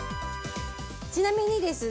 ちなみにですね